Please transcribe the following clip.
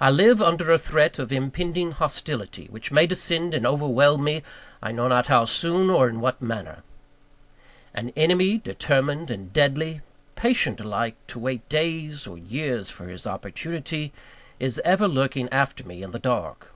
I live under a threat of impending hostility, which may descend and overwhelm me, I know not how soon, or in what manner. An enemy, determined and deadly, patient alike to wait days or years for his opportunity, is ever lurking after me in the dark.